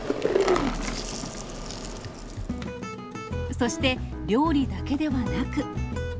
そして料理だけではなく。